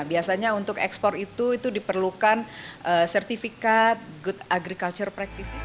biasanya untuk ekspor itu itu diperlukan sertifikat good agriculture practices